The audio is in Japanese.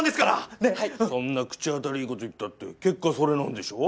そんな口当たりいい事言ったって結果それなんでしょ？